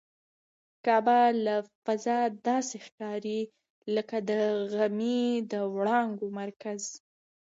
کعبه له فضا داسې ښکاري لکه د غمي د وړانګو مرکز.